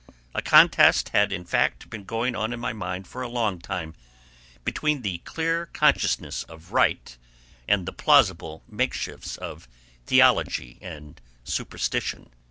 A contest had in fact been going on in my mind for a long time, between the clear consciousness of right and the plausible make shifts of theology and superstition.